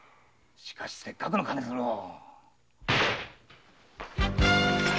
しかしせっかくの金づるを。